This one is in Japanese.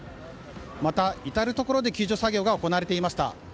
また、至るところで救助作業が行われていました。